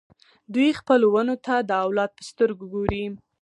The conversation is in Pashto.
دوی خپلو ونو ته د اولاد په سترګه ګوري.